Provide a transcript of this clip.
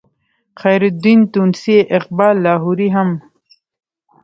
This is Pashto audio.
خیرالدین تونسي اقبال لاهوري هم